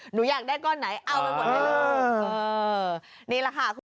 หนูอยากได้ก้อนไหนเอาไปหมดเลยเออนี่แหละค่ะคุณ